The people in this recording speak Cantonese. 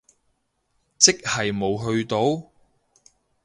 即係冇去到？